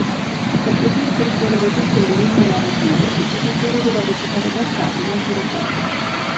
Per poter percorrere tutte le linee narrative, il giocatore dovrà rigiocare daccapo l'intero gioco.